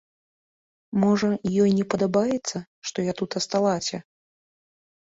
Можа, ёй не падабаецца, што я тут асталася?